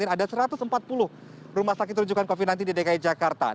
ada satu ratus empat puluh rumah sakit rujukan covid sembilan belas di dki jakarta